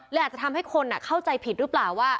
อาจจะทำให้คนเข้าใจผิดหรือเปล่าว่า